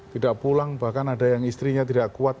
tidak pulang bahkan ada yang istrinya tidak kuat